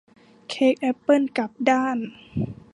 เค้กแอปเปิ้ลกลับด้าน